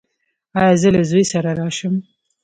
ایا زه له زوی سره راشم؟